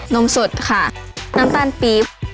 นมสดค่ะน้ำตาลปี๊บ